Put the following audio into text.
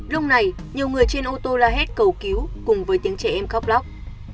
lúc này nhiều người trên ô tô la hét cầu cứu cùng với tiếng trẻ em khóc lóc